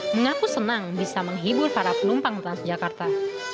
mengaku senang bisa menghibur para penumpang tras jakarta